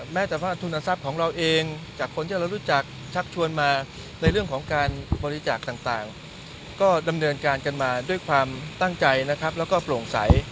แม้แต่ว่าทุนทรัพย์ของเราเองจากคนที่เรารู้จักชักชวนมาในเรื่องของการบริจาคต่างก็ดำเนินการกันมาด้วยความตั้งใจนะครับแล้วก็โปร่งใส